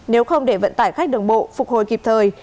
nếu không để vận tải khách đường bộ phục hồi kịp thời